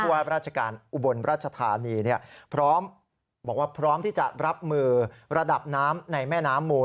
ว่าราชการอุบลราชธานีพร้อมที่จะรับมือระดับน้ำในแม่น้ำหมู่